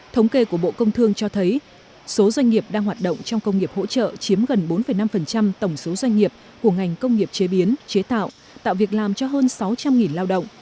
thống kê của bộ công thương cho thấy số doanh nghiệp đang hoạt động trong công nghiệp hỗ trợ chiếm gần bốn năm tổng số doanh nghiệp của ngành công nghiệp chế biến chế tạo tạo việc làm cho hơn sáu trăm linh lao động